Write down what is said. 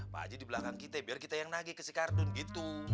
pak haji di belakang kita biar kita yang nagih ke sikardun gitu